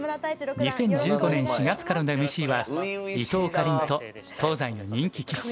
２０１５年４月からのＭＣは伊藤かりんと東西の人気棋士